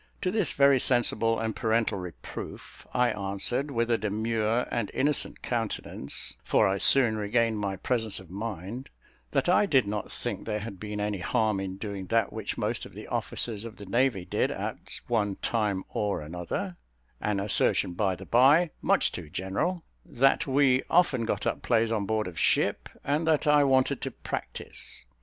To this very sensible and parental reproof I answered, with a demure and innocent countenance (for I soon regained my presence of mind) that I did not think there had been any harm in doing that which most of the officers of the navy did at one time or another (an assertion, by the by, much too general); that we often got up plays on board of ship, and that I wanted to practise.